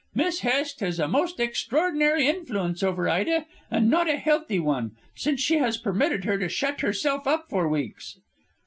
"Miss Hest has a most extraordinary influence over Ida, and not a healthy one, since she has permitted her to shut herself up for weeks."